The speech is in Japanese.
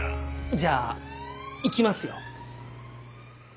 じゃあ行きますよ。